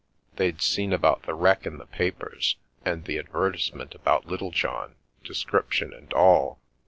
They'd seen about the wreck in the papers; and the advertisement about Littlejohn, description and all.